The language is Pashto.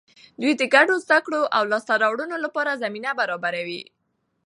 دوی د ګډو زده کړو او لاسته راوړنو لپاره زمینه برابروي.